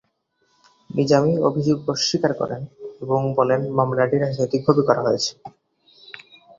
নিজামী অভিযোগ অস্বীকার করেন এবং বলেন মামলাটি রাজনৈতিকভাবে করা হয়েছে।